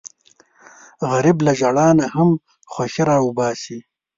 غریب له ژړا نه هم خوښي راوباسي